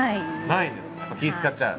はい。